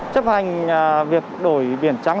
chấp hành việc đổi biển trắng